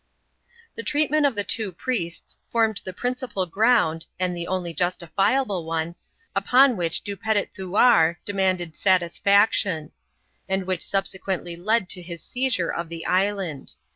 The treatment of the two priests formed the principal ground (and the only justifiable one) upon which Du Petit Thenars demanded satisfaction ; and which subsequently led to his seizure of the island.